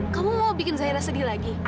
kamu mau bikin zahira sedih lagi